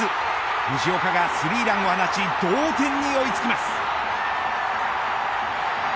藤岡がスリーランを放ち同点に追いつきます。